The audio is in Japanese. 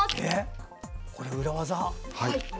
これ裏技？